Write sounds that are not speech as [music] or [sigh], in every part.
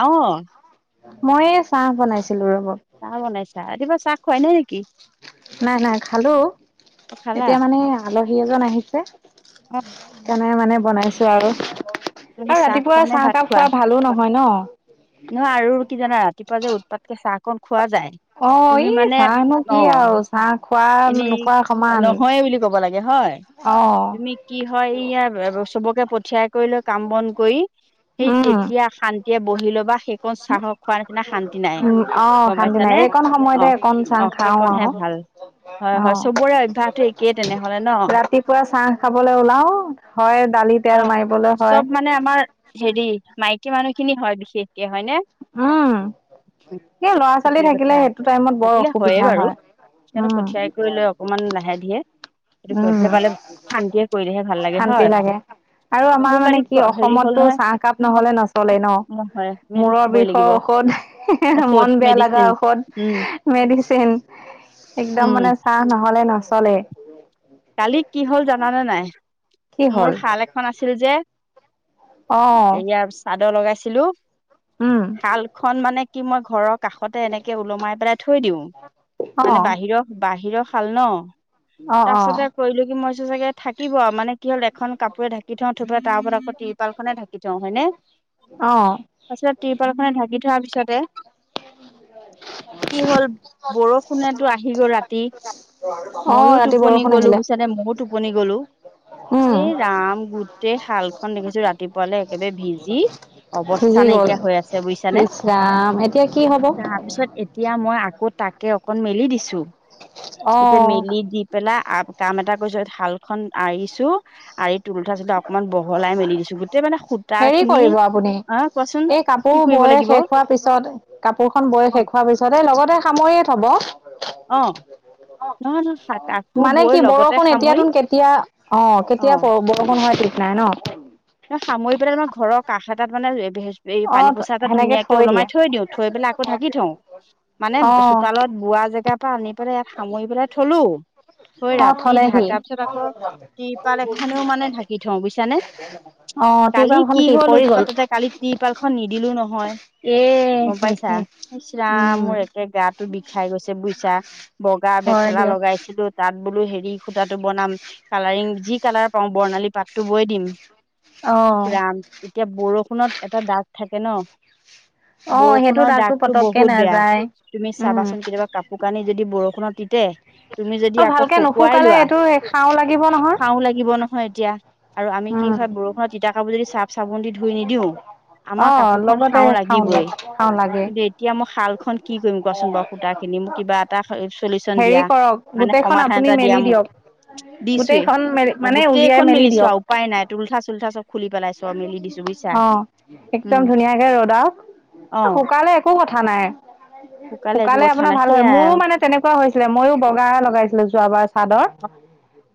আঅ মইয়ে চাহ বনাইছো। চাহ বনাইছা ৰাতিপুৱা চাহ খুৱাই নাই নেকি? নাই নাই খালো, অ খালা এতিয়া মানে আলহী এজন আহিছে। অ সকাৰণে মানে বনাইছো আৰু। আলহী আৰু চাহ খোৱা ৰাতিপুৱা নে ভাত চাহকাপ খোৱা ভালো নহয় ন। নহয় আৰু কি জানা ৰাতিপুৱা যে উৎপাতকে চাহকন খোৱা যায়। অ ই তুমি মানে চাহনো কি অ আৰু চাহ খোৱা এনেই নোখোৱা সমান নহয়ে বুলি ক'ব লাগে হয়। অ তুমি কি হয় ইয় চবকে পঠিয়াই কৰি লৈ কাম বন কৰি। সেই উম তেতিয়া শান্তিয়ে বহি লব সেইকণ চাহৰ খোৱা নিচিনা শান্তি নাই উম অ গম পাইছা শান্তি নাই এইকণ সময়তে অকণ চান খাও আহ। ভাল হয় অ হয় চবৰে অভ্যাসটো একেই তেনেহলে ন ৰাতিপুৱা চাহ খাবলৈ ওলাও হয় দালিতে অ মাৰিবলৈ হয় চব মানে আমাৰ হেৰি মাইকী মানুহ খিনি হয় বিশেষকে হয় নে। উম। স ল'ৰা ছোৱালী সেইটোৱে থাকিলে কথা সেইটো টাইমত বৰ থাকিলে হয়ে অসুবিধা বাৰু হয়। উ। সিহঁতক অঁ। পঠিয়াই কৰি লৈ অকমান লাহে ধীৰে এইটো কৰি উম পেলাই পালে শান্তিয়ে কৰিলেহে ভাল শান্তি হয় লাগে। আৰু আমাৰ মোৰ মানে কালি কি হেৰি হ'ল অসমতো নহয় চাহকাপ নহলে নচলে ন হয় আমি এইটো মূৰৰ। খাবই বিষৰ লাগিব ঔষধ, ঔষধ মন বেয়া লগা মেডিচিন ঔষধ, উম মেডিচিন একদম মানে চাঁহ নহলে নচলে কালি কি হল জানানে নাই কি মোৰ হ'ল শাল এখন আছিল যে। অ এয়াৰ চাদৰ লগাইছিলো উম শাল খন মানে কি মই ঘৰত কাষতে এনেকে ওলমাই পেলাই থৈ দিওঁ অ মানে বাহিৰৰ বাহিৰৰ সাল নহঁ। অ তাৰ অ পাছতে কৰিলো কি মইছো চাগে থাকিব মানে কি হ'ল এখন কাপোৰে ঢাকি থওঁ। থৈ তাৰ ওপৰত আকৌ তিৰপাল খনে ঢাকি থওঁ হয়নে। অ তাৰপিছতে পালখনে ঢাকি থোৱাৰ পিছতে কি হ'ল বৰষুণেতো আহি গল ৰাতি, অ ময়ো ৰাতি টোপনি বৰষুণ গ'লো আহিলে বুইছা নে মইও টোপনি গ'লো উম এইহ ৰাম গুটে গোতেই শালখন দেখিছো ৰাতিপুৱালৈ একেবাৰে ভিজি অৱস্থা ভিজি গল নাইকিয়া হৈ আছে বুজিছানে। ইচ ৰাম এতিয়া কি হব তাৰপিছত এতিয়া মই আকৌ তাকে অকণ মেলি দিছো। অ এতিয়া মেলি দি পেলাই কাম এটা কৰিছো শালখন আৰিছো, আৰি তুলথা চোলথা অকমান বহলাই মেলি দিছো। গোটেই মানে সূতা হেৰি খিনি, কৰিব আপুনি অ কোৱাচোন কি কৰিব লাগিব? তাৰ পিছত কাপোৰ খন বৈ অ শেষ হোৱাৰ পিছত এই লগতে সামৰি থব। অহ মানে কি লগতে বৰষুণ সামৰি এতিয়াতোন কেতিয়া অ কেতিয়া বৰষুণ হয়। নাই ন'? ন 'সামৰি পেলাই ন' ঘৰৰ কাষ এটাত মানে ৰেডি হৈছোঁ। এই অ পানী পইচা এটা সেনেকে ধুনীয়াকে দিয়ে ওলমাই থৈ দিও থৈ পেলাই আকৌ ঢাকি থওঁ। মানে অ চোতালত বোৱা জেগাৰ পৰা আনি পেলাই ইয়াত সামৰি পেলাই থলো হয়, অ ৰাতি থলেহি ঢাকাৰ পিছত আকৌ তিৰপাল এখনেও মানে ঢাকি থওঁ বুইছানে। অ কালি তিৰপালখন কি হল পৰি গল উৎপাততে কালি তিৰপালখন নিদিলো নহয় এ গম পাইছা ইচৰাম উম মোৰ একে গাটো বিষাই গৈছে বুইছা বগা মেখে হয় খেলা দিয়ক লগাইছিলোঁ তাত বোলো হেৰি খুটাটো বনাম কালাৰিং যি কালাৰ পাওঁ বৰ্ণালী পাতটো বৈ দিম। অ উফ, ৰাম এতিয়া বৰষুণত এটা দাগ থাকে নহ অ সেইটো বৰষুণৰ দাগটো পতককে বহুত বেয়া নাযায় তুমি উম চাবাচোন কেতিয়াবা কাপোৰ কানি যদি বৰষুণত তিতে তুমি যদি অ আকৌ ভালকে শুকুৱাই নুশুকালে লোৱা এইটো খাও লাগিব নহয় খাও লাগিব নহয় এতিয়া আৰু আমি কি উম হয় বৰষ তিতা কাপোৰ যদি ছাৰ্ফ -চাবোন দি ধুই নিদিও অ আমাৰ কাপোৰখন লগতে খাও লাগিবই। খাও লাগে কিন্তু এতিয়া মই শাল খন কি কৰিম কোৱাচোন বাৰু সূতা খিনি মোৰ কিবা এটা চলি চন হেৰি দিয়া কৰক মানে গোটেইখন সমাধান আপুনি এটা দিয়া মেলি মোক। দিয়ক দিছোৱে গোটেইখন মেলি মানে উলিয়াই অ'গোটেইখন মেলি মেলিছো দিয়ক আৰু উপায় নাই তুলঠা টোলঠা চব খুলি পেলাই চব মেলি দিছো বুইছা অ একদম উম। ধুনীয়াকে ৰ'দাওক অ শুকালে একো কথা নাই। একো শুকালে কথা আপোনাৰ নাই ভাল হয় সেইয়াই মোৰো আৰু মানে তেনেকুৱা ছিল ময়ো বগা লগাইছিলো যোৱাবাৰ চাদৰ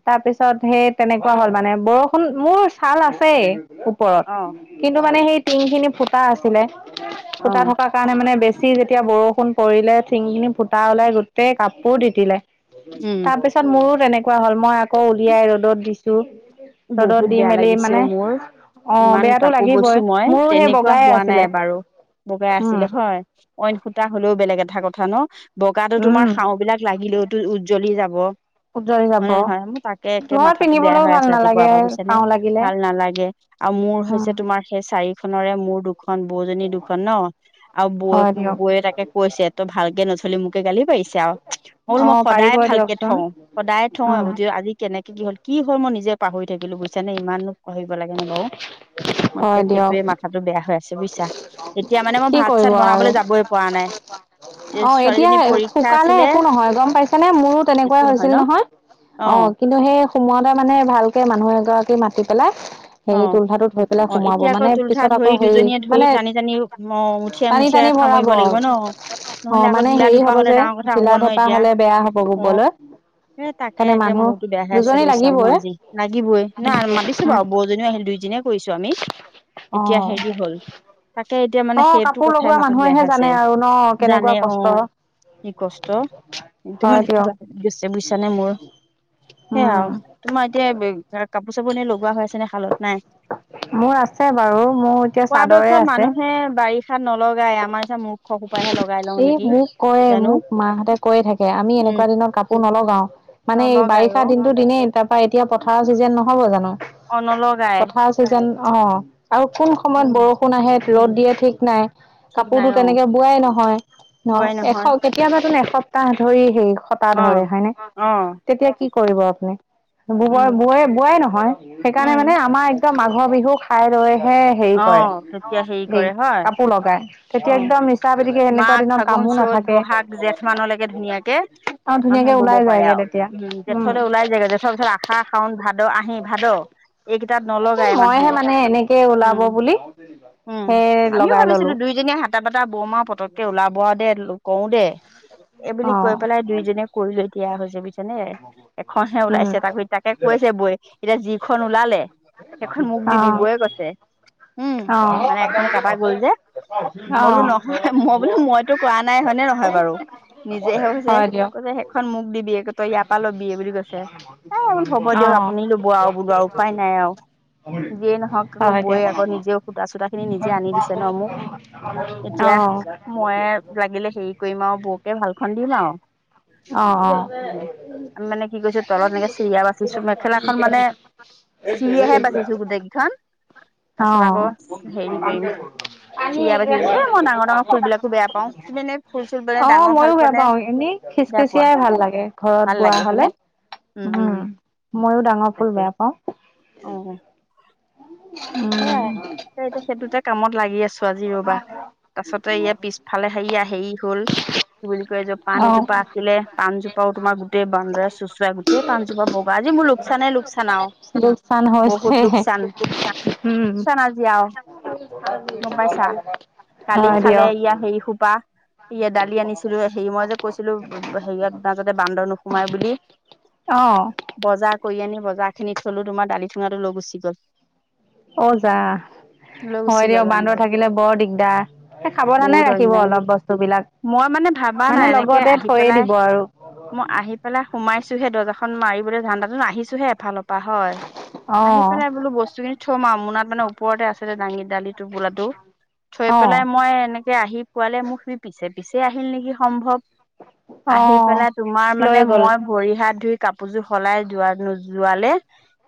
তাৰ পিছত সেই তেনেকুৱা হ'ল মানে বৰষুণ মোৰ ছাল আছেই ওপৰত অ কিন্তু অ মানে সেই টিং খিনি ফুটা আছিলে অ ফুটা থকাৰ কাৰণে মানে বেছি চি যেতিয়া বৰষুণ পৰিলে টিংখিনি ফুটা ওলাই গোটেই কাপোৰ তিতিলে। উম তাৰ পিছত মোৰো তেনেকুৱা হ'ল মই আকৌ উলিয়াই ৰ'দত দিছো ৰ'দত বহুত দি বেয়া মেলি লাগিছে মানে অ' মোৰ। অ' ইমান বেয়াটো কাপোৰ লাগিবই বৈছো মই মোৰো সেই তেনেকুৱা বগাই হোৱা নাই আছিলে। এবাৰু। বগাই উম, আছিলে হয় অইন সোতা হলেও বেলেগ এটা কথা -কথা ন' বগাতো তোমাৰ উম, হাও বিলাক লাগিলেওতো উজ্জ্বলি যাব। উজৰি যাব। হয় নে নহয় মোৰ তাকে একে ঘৰত মাথাটো বেয়া পিন্ধিবলৈও হৈ ভাল আছে। বা নালাগে ভাবিছা নে খাওঁ লাগিলে। ভাল নালাগে আৰু মোৰ উম, হৈছে তোমাৰ সেই চাৰি খনেৰে মোৰ দু দুখন বৌজনী দুখন ন' আৰু বৌ হয় দিয়ক। -বৌয়ে তাকে কৈছে তই ভালকে নথলি মোকে গালি পাৰি পাৰিছে আও, মই বোলো অ' পাৰিব সদায় ভালকে দিয়কচোন। থওঁ সদায় থওঁ উম, আজি কেনেকে কি হ'ল কি হল মই নিজে পাহৰি থাকিলো বুইছানে ইমাননো পাহৰিব লাগে নে বাৰু। মই একে হয় দিয়ক সেইটোৱে মাথাটো বেয়া হৈ আছে বুইছা এতিয়া মানে মই কি ভাত- চাত বনাবলে যাবই পৰা নাই। অহ, এতিয়া ছোৱালীজনীৰ পৰীক্ষা শুকালে আছিলে একো নহয় গম পাইছা নে মোৰো একো তেনেকুৱাই হৈছিল ন? নহয়। অহ, অ', কিন্তু সেই সুমুৱাওতে মানে ভালকে মানুহ এগৰাকী মাতি পেলাই সেই অ', তুলঠাটো থৈ পেলাই অ', সোমোৱাব এতিয়া আকৌ মানে তুলঠা পিছত আকৌ ধৰি হে দুজনীয়ে ধৰি মানে টানি টানি অ', টানি- মুঠিয়াই টানি মুঠিয়াই টানি ভৰাব। সামৰিব লাগিব ন? অহ, নহ'লে আকৌ মানে ঢিলা হেৰি ঢুপা হব হ'লে যে ডাঙৰ কথা হ'ব ঢিলা নহয় ধেপা এতিয়া। হলে বেয়া হব অ', বুবলৈ। এ' তাকে মূৰতো বেয়াহে আছে বুইচা মোৰ লাগিবই আজি লাগিবয়ে নহ মাতিছো বাৰু ব বৌজনিও আহিল দুই জনিয়ে কৰিছো আমি অ এতিয়া হেৰি হল তেতিয়া মানে অ সেইটো কাপোৰ কথাই লগোৱা মাথাত বেয়া মানুহেহে হৈ আছে জানে আৰু ন জানে কেনেকুৱা কষ্ট অ', কি কষ্ট একদম হয় মানে দিয়ক কিবা লাগি গৈছে বুইছা নে মোৰ। সেয়া উম আৰু তোমাৰ এতিয়া কাপোৰ- চাপোৰ এনেই লগোৱা হৈ আছে নে শালত? নাই মোৰ আছে বাৰু মোৰ এতিয়া চাদৰে পৰাপক্ষত আছে মানুহে বাৰিষাত নল লগাই আমাৰ নিচিনা মূৰ্খ সোপাহে লগাই। লওঁ এই নেকি মোক কয় জানো মোক মাহঁতে কৈয়ে থাকে আমি উম এনেকুৱা দিনৰ কাপোৰ নলগাও মানে এই বাৰ নলগাই বাৰিষা অ দিনটো দিনেই তাৰ পা এতিয়া পথাৰৰ চিজেন নহ'ব জানো। অহ, নলগাই। পথাৰ চিজন অ আৰু কোন সময়ত উম বৰষুণ আহে উম ৰ'দ দিয়ে ঠিক নাই ঠিক নাই কাপোৰতো অ তেনেকে পোৱাই নহয় ন বোৱাই এশ নহয় কেতিয়াবা তোন এসপ্তাহ ধৰি হেই খটা অ ধৰে হয়নে অ তেতিয়া কি কৰিব আপুনি বো উম বো বোৱাই নহয় সেইকাৰণে উম মানে আমাৰ একদম মাঘৰ বিহু খাই লৈ অহ তেতিয়া হেৰি কৰে হয় কাপোৰ লগাই তেতিয়া অ একদম মিছা পিতিকে এনেকুৱা মাঘ দিনত ফাগুন কামো চ'ত নাথাকে বহাগ জেঠ মানলৈকে ধুনীয়াকে অ ধুনীয়াকে মানুহে বব ওলাই পাৰে যায়গে আও তেতিয়া উম জেঠলৈ ওলাই যায়গে জেঠৰ পিছত আহাৰ শাউন ভাদ ভাদ আহি ভাদ এইকেইটাত এ নলগাই মইহে মানুহে মানে এনেকে ওলাব উম বুলি উম সেই আমিও লগাই ললো ভাবিছিলো দুইজনীয়ে হাতা বাতটা বৌমা পটকে ওলাব বোৱা দে কওঁ দে অ এইবুলি কৈ পেলাই দুইজনীয়ে কৰিলে দিয়া হৈছে বুইছ নে এখনহে উম ওলাইছে তাক তাকে কৈছে বৌয়ে এতিয়া যিখন ওলালে সেইখন মোক অ দিবি বৌয়ে কৈছে উম [inaudible] অ মানে এখন কাটা গ'ল যে মই বোলো নহয় অ নিজে হে হৈছে হয় দিয়ক কৈছে সেইখন মোক দিবি তই ইয়াৰ পৰা ল'বি বুলি কৈছে এ বোলো হ'ব অ দিয়ক আপুনি ল'ব আও বোলো আৰু উপায় নাই আও হয় গৈ দিয়ক অ আকৌ নিজে সুতা চুতা খিনি নিজে আনি দিছে ন মোক এতিয়া মই লাগিলে হে কৰি মা আৰু বৌকে ভালখন দিম আৰু অ অ আমি মানে কি কৈছো তলত এনেকে চিৰিয়া বাচিছো মেখেলাখন মানে চিৰিয়ে হে বাচিছো গোটেই কেইখন অ তাৰপিছত আকৌ হেৰি কৰিম পানী চিৰিয়া এগিলাচ বাচিছো এ মই ডাঙৰ ডাঙৰ ফুল বিলাকো বেয়া পাওঁ তুমি এনে ফুল চুল মানে অ ডাঙৰ ভাল মইয়ো পোৱা বেয়া নে পাও এনেই বেয়া পোৱা খিচখিচিয়াই ভাল লাগে ঘৰত ভাল বোৱা লাগে হলে হয়নে? উম মইও ডাঙৰ ফুল তাকে বেয়া পাও অ উম এয়া সেইটো ক্ষেত্ৰতে কামত লাগি আছো আজি ৰবা তাছতে ইয়া পিছফালে হেৰি আহে হল কি বুলি কয় যে পাণ অ এজোপা আছিলে পাণজোপাও তোমাৰ গোটেই বান্দৰে চোচৰাই গোটেই পাণজোপা বগা আজি মোৰ লোকচানে লোক লোকচান হৈছে লোকচান বহুত উম লোকচান আজি আও গম পাইছা কালি হয় খালে দিয়ক ইয়া হেৰি সোপা ইয়া দালি আনিছিলো হেই মই যে কৈছিলো হেৰিয়াত মাজতে বান্দৰ নোসোমাই বুলি অ বজাৰ কৰি আনি বজাৰ খিনি থলো তোমাৰ দালি থুঙাটো লৈ গুচি গ'ল অ যা লৈ গুচি হয় গ'ল দিয়ক বান্দৰ বান্দৰে থাকিলে বৰ দিগদাৰ সাৱধানে বহুত ৰাখিব অন্যায় অলপ বস্তু বিলাক মই মানে ভাবা নাই মানে এনেকে লগতে আহি থৈয়ে পেলাই দিব আৰু মই আহি পেলাই সোমাইছোহে দৰ্জাখন মাৰি বোলে ধান্দাতো আহিছোহে এফালৰ পৰা হয় অ আহি পেলাই বোলো বস্তুখিনি মুনাত মানে ওপৰতে আছিলে দাঙি দালি টোপুলাটো থৈ অ পেলাই মই এনে কে আহি পোৱালে মোক সি পিছে পিছে আহিল নেকি সম্ভৱ অ আহি পেলাই তোমাৰ লৈ মানে গ'ল মই ভৰি হাত ধুই কাপোৰযোৰ সলাই যোৱা নো যোৱালে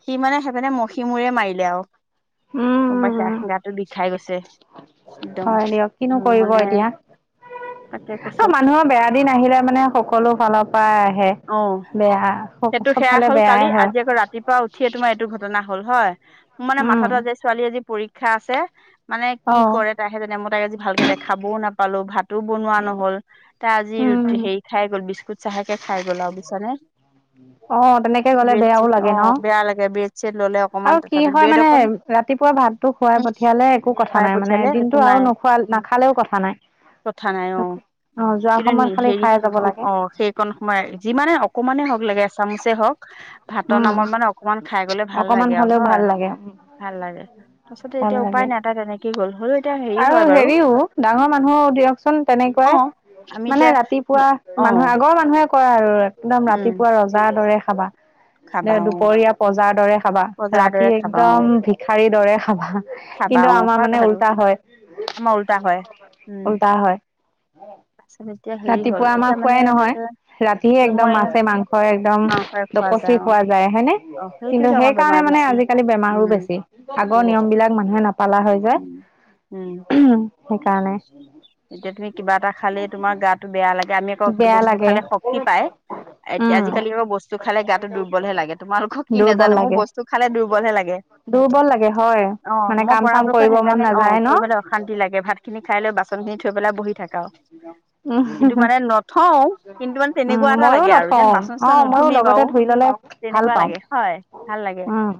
সি মানে সেইপিনে মখি মূৰে মাৰিলে আও গম পাইছা উম গাটো বিষাই গৈছে একদম হয় দিয়ক উ কিনো কৰিব মানে এতিয়া তাকে কৈছো অ মানুহৰ বেয়া দিন আহিলে মানে সকলো ফালৰ পৰাই আহে অ বেয়া সেইটো চব সেয়া ফালে হল বেয়াই কালি হয় আজি আকৌ ৰাতিপুৱা উঠিয়ে তোমাৰ এইটো ঘটনা হ'ল হয় মানে উম মাথাটো আজি যে ছোৱালী আজি পৰীক্ষা আছে মানে অ কি কৰে তাইহে জানে মই তাইক আজি ভালকে দেখাবও নাপালো ভাতো বনোৱা নহল তাই আজি উম ৰুটি হেৰি খাই গ'ল বিস্কুট চাহেকে খাই গ'ল আৰু বুইছানে, অ তেনেকে গলে ব্ৰেড বেয়াও চেড অ লাগে ন, বেয়া লাগে ব্ৰেড চেড ললে অকমান আৰু কি তথাপি হয় ব্ৰেড মানে অকন ৰাতিপুৱা ভাতটো খুৱাই পঠিয়ালে একো কথা খুৱাই নাই মানে পঠিয়ালে একো দিনটো আৰু নাই নোখোৱাল নাখালেও কথা নাই কথা নাই অ যোৱা কিন্তু সময়ত খালি হেৰি খাই যাব লাগে অ সেইকণ সময় যিমানে অকমানে হক লাগে এচামুচে হওঁক ভাতৰ উম নামৰ মানে অকমান খাই গলে ভাল অকমান লাগে আৰু হলেও ভাল হয় লাগে ভাল লাগে তাৰপিছতে ভাল এতিয়া লাগে উপায় নাই এটা তেনেকে আৰু হেৰিও ডাঙৰ মানুহ দিয়কচোন অ তেনেকুৱাই আমি মানে এতিয়া ৰাতিপুৱা অ মানুহে আগৰ মানুহে কৰে আৰু একদম উম ৰাতিপুৱা ৰজাৰ দৰে খাবা খাবা অ দুপৰীয়া পজাৰ দৰে খাবা বজাৰৰ দৰে ৰাতি একদম ভিখাৰীৰ দৰে খাবা চাবা কিন্তু অ আমাৰ হয় মানে কথাটো উল্টা হয় আমাৰ উল্টা হয় উল্টা হয় তাছত এতিয়া হেৰি হ'ল এতিয়া মানে তাকে ৰাতিয়ে একদম মাছে মাংস একদম মাংসৰে খোৱা দকচি যায় অ খোৱা যায় হয়নে অ কিন্তু সেইটোতো আমাৰ সেইকাৰণে বেমাৰ মানে নে বেছি আজিকালি বেমাৰো উম বেছি সেইটোৱে আগৰ নিয়ম বেছি বিলাক মা মানুহে নাপালা হৈ যায় উম উম সেইকাৰ এতিয়া তুমি কিবা এটা খালে তোমাৰ গাটো বেয়া লাগে আমি আকৌ বেয়া বস্তু লাগে খালে শক্তি পায় এতিয়া উম আজিকালি আৰু বস্তু খালে গাতো দুৰ্বলহে লাগে তোমালোকৰ কি দুৰ্বল নাজানো মোৰ লাগে বস্তু খালে দুৰ্বলহে লাগে দুৰ্বল লাগে হয় অ মানে মই কাম চাম পৰাপক্ষত কৰিব মন সেইকাৰণে অ নাযায় ন কৰিবলৈ অশান্তি লাগে ভাত সেইখিনি খাই লৈ বাচন খিনি লৈ পেলাই বহি থাক উ হ হ নথও কিন্তু মানে উ তেনেকুৱা এটা ময়ো লাগে আৰু যেন নথওঁ বাচন অ চাচন ময়ো নুধুমেই বাৰু লগতে ধুই ললে ভাল তেনেকুৱা পাওঁ লাগে হয় ভাল লাগে উম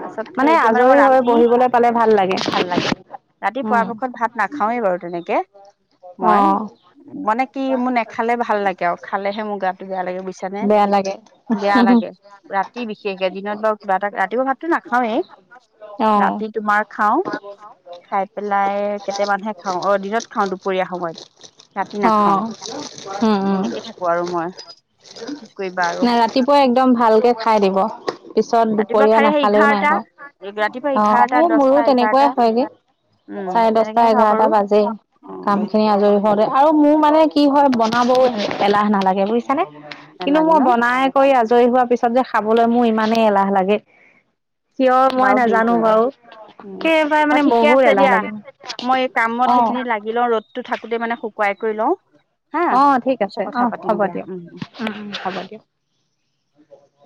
তাৰপাছত সেই মানে এতিয়া মই আজৰি হৈ ৰাতি বহিবলৈ পালে ভাল লাগে ভাল লাগে ৰাতি উম পৰাপক্ষত ভাত না নাখাওঁৱে বাৰু তেনেকে অ মই মানে কি মোৰ নেখালে ভাল ভাল লাগে আৰু খালেহে মোৰ গাটো বেয়া লাগে বুজিছা নে বেয়া লাগে বেয়া লাগে ৰাতি বিশেষে দিনত বাৰু কিবা এটা ৰাতিপুৱা ভাতটো নাখাওঁৱেই অ ৰাতি তোমাৰ খাওঁ খাই পেলাই হে খাওঁ অ দিনত খাওঁ দুপৰীয়া সময়ত ৰাতি অ নাখাওঁ উম উম তেনেকে থাকো আৰু মই কি কৰিবা আৰু নাই ৰাতিপুৱাই একদম ভালকে খাই দিব। পিছত ৰাতিপুৱা দুপৰীয়া খাই সেই নাখালেও নাই এঘাৰটা বাওঁ ৰাতিপুৱা এঘাৰটা অ মোৰো দহটা এঘাৰটা তেনেকুৱাই হয়গে উম চাৰে দহটা তেনেকেহে খাব এঘাৰটা পাৰো বাজে অ কাম খিনি আজৰি হোৱালে আৰু মোৰ মানে কি হয় বনাবও এলাহ নালাগে বুজিছানে কিন্তু নালাগে মই ন বনাই কৰি আজৰি আজৰি হোৱাৰ পিছত যে খাবলৈ মোৰ ইমানেই এলাহ লাগে কিয় বাৰু মই হেৰি নাজানো কৰিবা বাৰু উম একেবাৰে অহঁ মানে ঠিকে বহুত আছে এলাহ দিয়া লাগে মই এই কামত অ সেইখিনি লাগি লওঁ ৰ'দটো থাকোঁতে মানে কৰি লওঁ হাঁ তাৰ অ ঠিক পিছত আছে কথা অ পাতিম হ'ব দিয়া দিয়ক উম উম হ'ব দিয়ক